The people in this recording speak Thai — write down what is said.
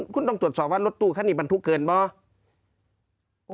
คุณต้องตรวจสอบว่ารถตู้คันนี้บรรทุกเกินไหม